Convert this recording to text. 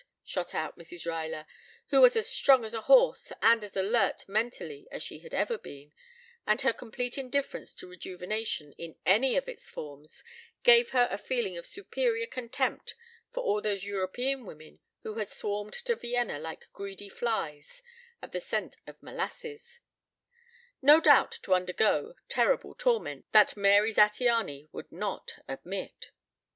shot out Mrs. Ruyler. She was as strong as a horse and as alert mentally as she had ever been, and her complete indifference to rejuvenation in any of its forms gave her a feeling of superior contempt for all those European women who had swarmed to Vienna like greedy flies at the scent of molasses no doubt to undergo terrible torments that Mary Zattiany would not admit.